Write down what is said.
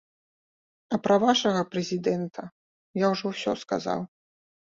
А пра вашага прэзідэнта я ўжо ўсё сказаў.